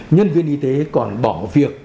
nhân viên y tế còn bỏ việc